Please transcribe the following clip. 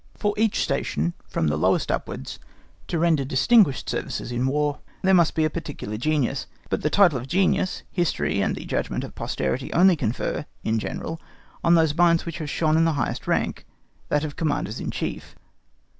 For each station, from the lowest upwards, to render distinguished services in War, there must be a particular genius. But the title of genius, history and the judgment of posterity only confer, in general, on those minds which have shone in the highest rank, that of Commanders in Chief.